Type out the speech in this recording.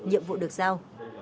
nhiệm vụ được giao